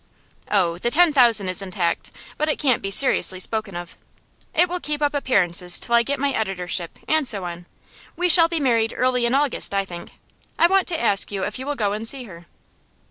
'Oh, the ten thousand is intact, but it can't be seriously spoken of. It will keep up appearances till I get my editorship and so on. We shall be married early in August, I think. I want to ask you if you will go and see her.